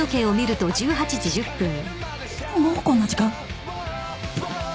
もうこんな時間？